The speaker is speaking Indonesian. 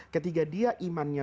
ketiga dia imannya